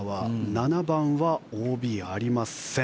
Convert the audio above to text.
７番はＯＢありません。